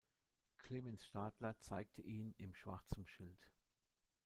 Klemens Stadler zeigte ihn im schwarzem Schild.